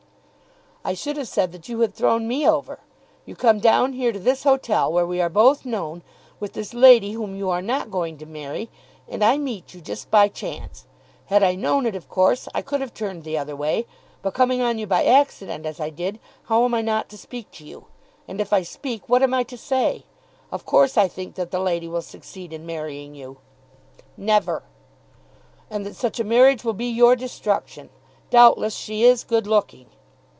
"I should have said that you had thrown me over. You come down here to this hotel, where we are both known, with this lady whom you are not going to marry; and I meet you, just by chance. Had I known it, of course I could have turned the other way. But coming on you by accident, as I did, how am I not to speak to you? And if I speak, what am I to say? Of course I think that the lady will succeed in marrying you." "Never." "And that such a marriage will be your destruction. Doubtless she is good looking."